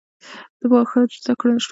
د پاخه زده کړو نشتوالی د پرمختګ خنډ دی.